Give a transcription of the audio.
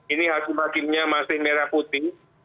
ini hakim hakimnya masih merah putih